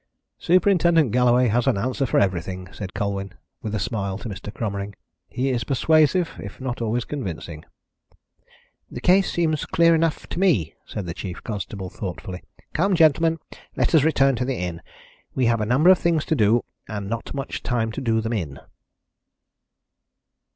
"Superintendent Galloway has an answer for everything," said Colwyn with a smile, to Mr. Cromering. "He is persuasive if not always convincing." "The case seems clear enough to me," said the chief constable thoughtfully. "Come, gentlemen, let us return to the inn. We have a number of things to do, and not much time to do them in."